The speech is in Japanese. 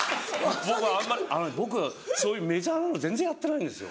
僕そういうメジャーなの全然やってないんですよ。